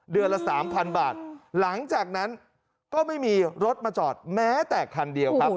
ละสามพันบาทหลังจากนั้นก็ไม่มีรถมาจอดแม้แต่คันเดียวครับ